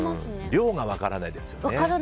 量が分からないですよね。